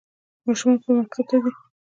ماشومان به مکتب ته ځي؟